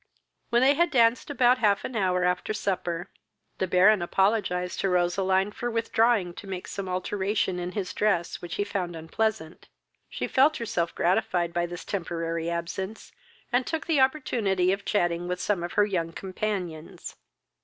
When they had danced about half an hour after supper, the Baron apologized to Roseline for withdrawing to make some alteration in his dress, which he found unpleasant. She felt herself gratified by this temporary absence, and took the opportunity of chatting with some of her young companions.